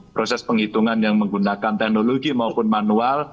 proses penghitungan yang menggunakan teknologi maupun manual